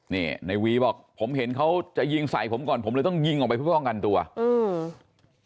นี่ในวีบอกผมเห็นเขาจะยิงใส่ผมก่อนผมเลยต้องยิงออกไปเพื่อป้องกันตัวอืม